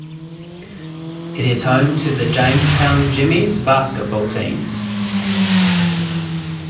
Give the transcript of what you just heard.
It is home to the Jamestown Jimmies basketball teams.